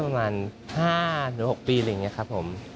ประมาณ๕๖ปีอะไรอย่างนี้ครับผม